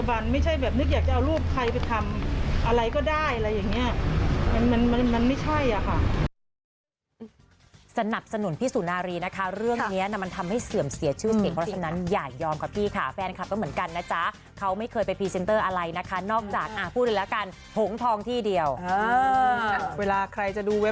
อะไรอย่างเนี้ยมันมันมันไม่ใช่อ่ะค่ะ